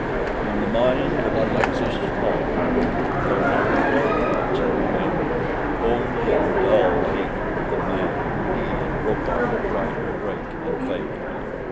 In the mind of Alexis Paulvitch there lingered no thoughts of revenge—only a dull hatred of the man whom he and Rokoff had tried to break, and failed.